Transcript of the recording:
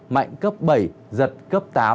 mạnh cấp bảy giật cấp tám